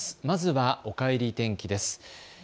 まずはおかえり天気です。